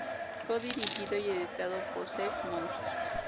Co-Dirigido y editado por: Seb Monk.